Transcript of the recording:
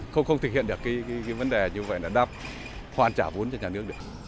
không không thực hiện được cái vấn đề như vậy là đáp hoàn trả vốn cho nhà nước được